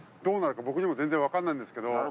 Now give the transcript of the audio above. どうなるか僕にも全然わからないんですけど。